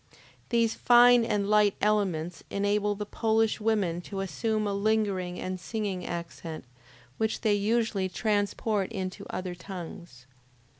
These fine and light elements enable the Polish women to assume a lingering and singing accent, which they usually transport into other tongues.